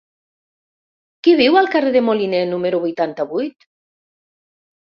Qui viu al carrer de Moliné número vuitanta-vuit?